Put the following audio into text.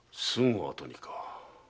すぐあとにか。